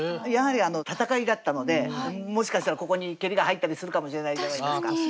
やはり戦いだったのでもしかしたらここに蹴りが入ったりするかもしれないじゃないですか。